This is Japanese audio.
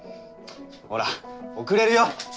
ほら遅れるよ！